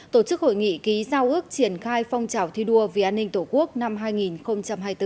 tổ chức hội nghị ký giao ước triển khai phong trào thi đua vì an ninh tổ quốc năm hai nghìn hai mươi bốn